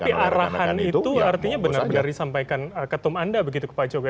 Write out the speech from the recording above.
tapi arahan itu artinya benar benar disampaikan ketum anda begitu ke pak jokowi